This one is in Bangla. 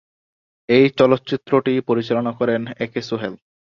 এই চলচ্চিত্রটি পরিচালনা করেন একে সোহেল।